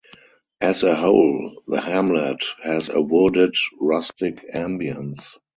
As a whole, the hamlet has a wooded, rustic ambience.